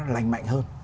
lành mạnh hơn